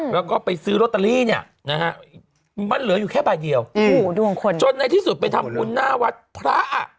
แล้วก็ไปซื้อโรตตาลีเนี่ยมันเหลืออยู่แค่บาทเดียวจนในที่สุดไปทำอุณหาวัดพระ